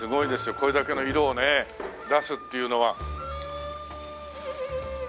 これだけの色をね出すっていうのは。